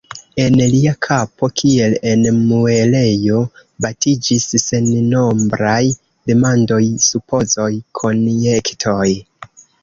En lia kapo kiel en muelejo batiĝis sennombraj demandoj, supozoj, konjektoj.